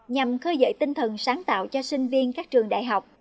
nhằm khơi dậy tinh thần sáng tạo cho sinh viên các trường đại học